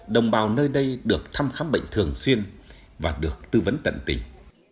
đồng bào nơi đây được thăm khám bệnh thường xuyên và được tư vấn tận tình